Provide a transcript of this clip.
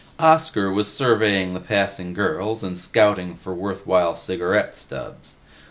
Oscar was surveying the passing girls and scouting for worthwhile cigarette stubs.